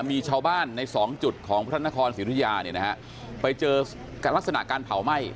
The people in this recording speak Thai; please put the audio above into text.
มีชาวบ้านใน๒จุดของพระท่านนครศิริยาไปเจอการลักษณะการเผาไหม้